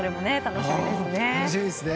楽しみですね。